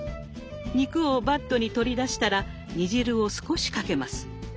肉をバットに取り出したら煮汁を少しかけます。